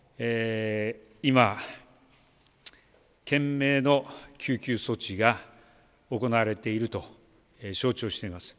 今、懸命の救急措置が行われていると承知をしております。